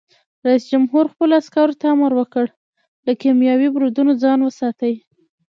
رئیس جمهور خپلو عسکرو ته امر وکړ؛ له کیمیاوي بریدونو ځان وساتئ!